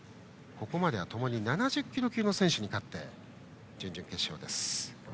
ここまで、ともに７０キロ級の選手に勝っての準々決勝です。